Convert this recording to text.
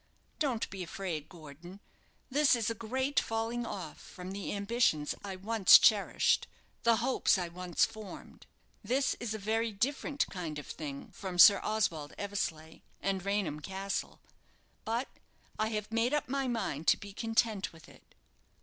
Don't be afraid, Gordon; this is a great falling off from the ambitions I once cherished, the hopes I once formed; this is a very different kind of thing from Sir Oswald Eversleigh and Raynham Castle, but I have made up my mind to be content with it."